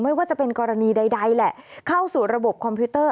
ไม่ว่าจะเป็นกรณีใดแหละเข้าสู่ระบบคอมพิวเตอร์